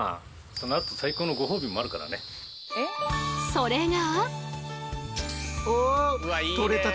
それが。